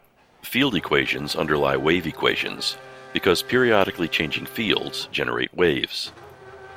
Field equations underlie wave equations, because periodically changing fields generate waves.